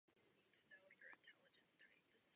Chtěla bych, aby všichni hovořili spíše o realitě.